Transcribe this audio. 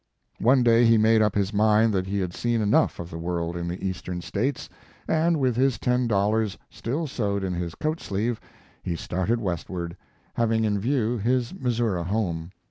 One day he made up his mind that he had seen enough of the world in the Eastern States, and, with his ten dollars still sewed in his coat sleeve, he started westward, having in view his Missouri home.